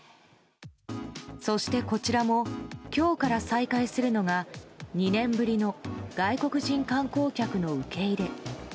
そして、こちらも今日から再開するのが２年ぶりの外国人観光客の受け入れ。